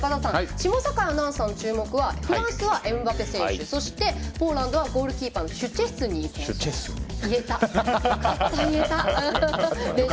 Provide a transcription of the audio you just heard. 下境アナウンサーの注目はフランスはエムバペ選手そして、ポーランドはゴールキーパーのシュチェスニー選手。